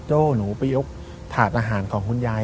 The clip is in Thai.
หนูไปยกถาดอาหารของคุณยาย